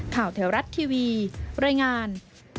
ข่าวแถวรัดทีวีรายงาน